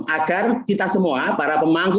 agar kita semua para pemangku